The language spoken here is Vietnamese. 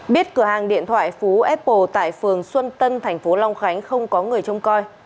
biết cửa hàng điện thoại phú apple tại phường xuân tân thành phố long khánh không có người trông coi